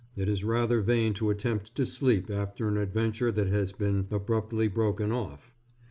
It is rather vain to attempt to sleep after an adventure that has been abruptly broken off.